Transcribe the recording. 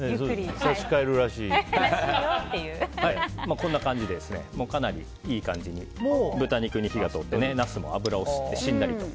こんな感じでかなりいい感じに豚肉に火が通ってナスも脂を吸って、しんなりと。